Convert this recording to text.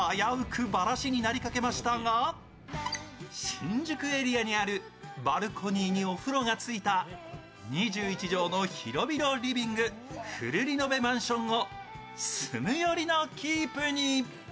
新宿エリアにあるバルコニーにお風呂がついた２１畳の広々リビング、フルリノベマンションを住む寄りのキープに。